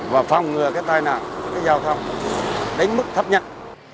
và phong ngừa tai nạn giao thông đến mức thấp nhất